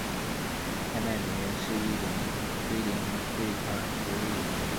拍卖美元是一种非零和对抗博弈。